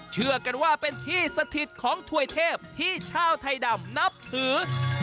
เชื่อกันว่าเป็นที่สถิตของถวยเทพที่ชาวไทยดำนับถือ